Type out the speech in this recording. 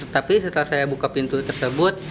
tapi setelah saya buka pintu tersebut